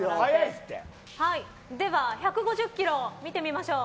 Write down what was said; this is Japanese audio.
では、１５０キロ見てみましょう。